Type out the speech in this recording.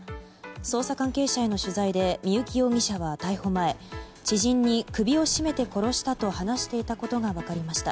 捜査関係者への取材で三幸容疑者は逮捕前知人に首を絞めて殺したと話していたことが分かりました。